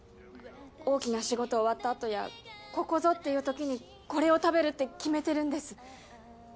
大きな仕事終わったあとやここぞっていうときにこれを食べるって決めてるんです。